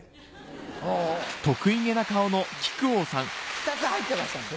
２つ入ってましたね。